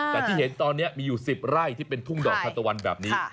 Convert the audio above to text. แต่ที่เห็นตอนนี้มีอยู่๑๐ไร่ที่เป็นทุ่งดอกทานตะวันแบบนี้